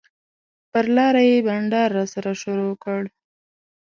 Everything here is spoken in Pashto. پر لاره یې بنډار راسره شروع کړ.